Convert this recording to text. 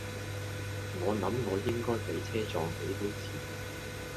我諗我應該俾車撞死都似